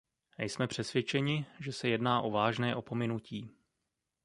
Jsme přesvědčeni, že se jedná o vážná opominutí.